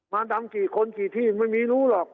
ดำกี่คนกี่ที่ไม่รู้หรอก